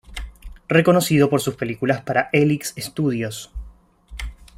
Reconocido por sus películas para "Helix Studios".